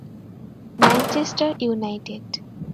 Manchester United